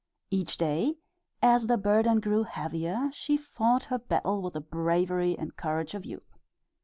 Each day as the burden grew heavier she fought her battle with the bravery and courage of youth.